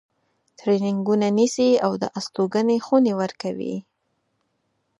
ترینینګونه نیسي او د استوګنې خونې ورکوي.